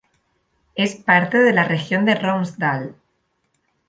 Es parte de la región de Romsdal.